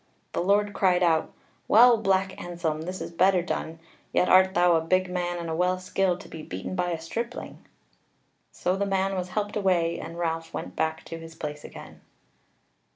The Lord cried out, "Well, Black Anselm, this is better done; yet art thou a big man and a well skilled to be beaten by a stripling." So the man was helped away and Ralph went back to his place again.